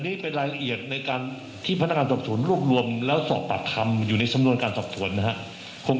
นี่เป็นรายละเอียดในการที่พนักงานสอบสวนรวบรวมแล้วสอบปากคำอยู่ในสำนวนการสอบสวนนะครับ